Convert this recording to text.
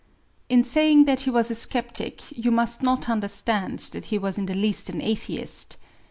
In saying that he was a sceptic you must not understand that he was in the least an atheist.